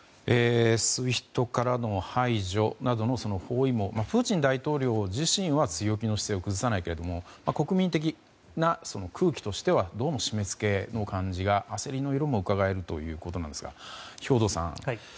ＳＷＩＦＴからの排除などの包囲網、プーチン大統領自身は強気の姿勢を崩さないけれども国民的な空気としてはどうも締め付けの感じが焦りの色もうかがえるということですが兵頭さん